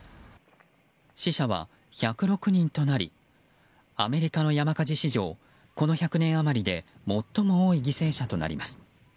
死者は１０６人となりアメリカの山火事史上この１００年余りで最も多い犠牲者となります。